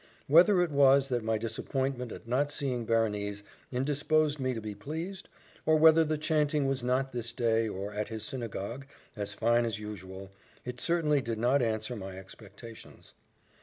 Whether it was that my disappointment at not seeing Berenice indisposed me to be pleased, or whether the chanting was not this day, or at this synagogue, as fine as usual, it certainly did not answer my expectations.